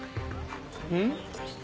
うん？